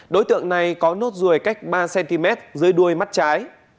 đối tượng này có nốt ruồi cách ba cm dưới đuôi mắt trái